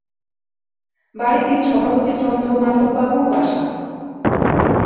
বাড়িটি সভাপতি চন্দ্রমাধববাবুর বাসা।